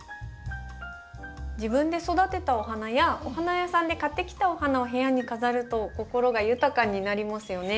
自分で育てたお花やお花屋さんで買ってきたお花を部屋に飾ると心が豊かになりますよね。